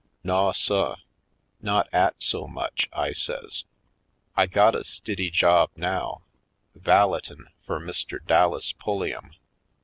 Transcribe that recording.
"Naw suh, not 'at so much," I says. "I got a stiddy job now, valettin' fur Mr. Dal las Pulliam.